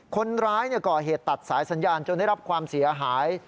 คนร้ายก่อเหตุตัดสายสัญญาณจนได้รับความเสียหาย